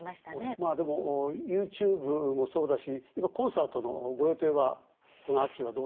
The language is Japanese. まあでもＹｏｕＴｕｂｅもそうだし今コンサートのご予定はこの秋はどうなんですか？